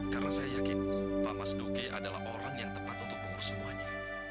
karena saya yakin pak mas duki adalah orang yang tepat untuk mengurus semuanya